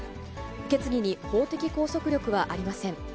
決議に法的拘束力はありません。